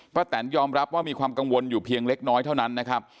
แตนยอมรับว่ามีความกังวลอยู่เพียงเล็กน้อยเท่านั้นนะครับ